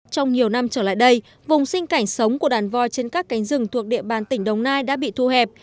trong nhiều năm trở lại đây vùng sinh cảnh sống của đàn voi trên các cánh rừng thuộc địa bàn tỉnh đồng nai đã bị thu hẹp